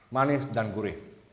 manis dan gurih